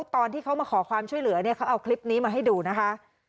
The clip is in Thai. ตอนที่เขามาขอความช่วยเหลือเนี่ยเขาเอาคลิปนี้มาให้ดูนะคะ